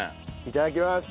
いただきます。